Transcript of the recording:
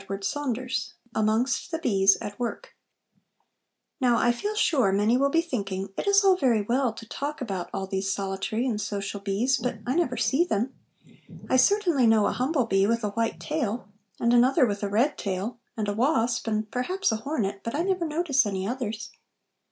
AMONGST THE BEES AT WORK Now I feel sure many will be thinking "It is all very well to talk about all these solitary and social bees, but I never see them. I certainly know a humble bee with a white tail and another with a red tail, and a wasp, and perhaps a hornet, but I never notice any others."